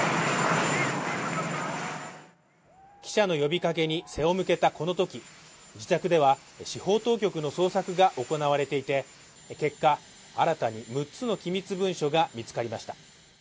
記者の呼びかけに背を向けたこのとき、自宅では司法当局の捜索が行われていて、結果、新たに６つの機密文書が見つかりました。